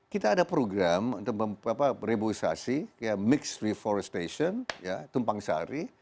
kita ada program untuk revolusasi mixed reforestation tumpang sari